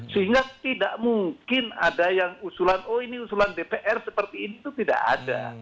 sehingga tidak mungkin ada yang usulan oh ini usulan dpr seperti ini itu tidak ada